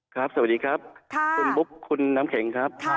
ครับสวัสดีครับค่ะคุณปุ๊บคุณน้ำเข็งครับค่ะ